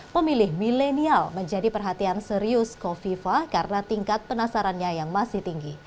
pemilih milenial menjadi perhatian serius kofifa karena tingkat penasarannya yang masih tinggi